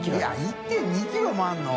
１．２ｋｇもあるの？